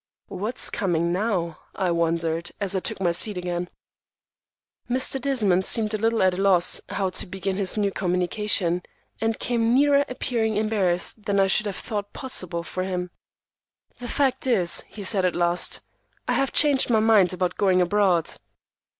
"What's coming now?" I wondered, as I took my seat again. Mr. Desmond seemed a little at a loss how to begin his new communication, and came nearer appearing embarrassed than I should have thought possible for him. "The fact is," he said at last, "I have changed my mind about going abroad."